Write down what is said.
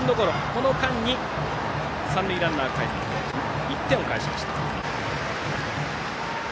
この間に、三塁ランナーかえって１点返しました。